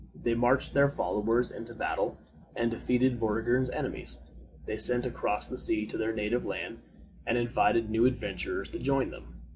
They marched their followers into battle, and defeated Vortigern's enemies. They sent across the sea to their native land, and invited new adventurers to join them.